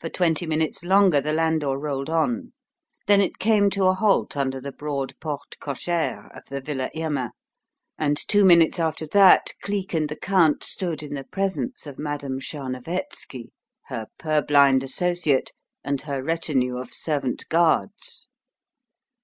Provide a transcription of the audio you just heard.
For twenty minutes longer the landau rolled on; then it came to a halt under the broad porte cochère of the Villa Irma, and two minutes after that Cleek and the Count stood in the presence of Madame Tcharnovetski, her purblind associate, and her retinue of servant guards.